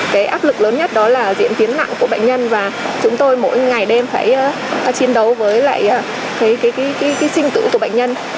cái áp lực lớn nhất đó là diễn tiến nặng của bệnh nhân và chúng tôi mỗi ngày đêm phải chiến đấu với lại sinh tựu của bệnh nhân